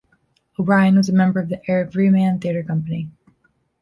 O'Brien was a member of the Everyman Theatre company.